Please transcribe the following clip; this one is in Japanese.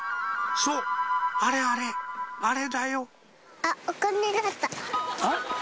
そうあれあれあれだよ